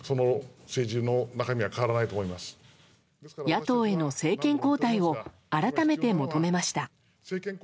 野党への政権交代を改めて求めました。